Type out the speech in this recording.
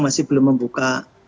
masih belum membuka